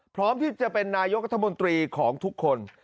พร้อมที่จะเป็นนายกรัฐมนตรีของทุกคน